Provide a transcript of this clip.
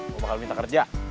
gua bakal minta kerja